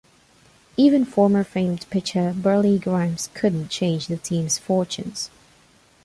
Even former famed pitcher Burleigh Grimes couldn't change the team's fortunes.